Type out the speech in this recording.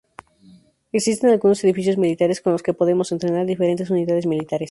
Existen algunos edificios militares con los que podemos entrenar diferentes unidades militares.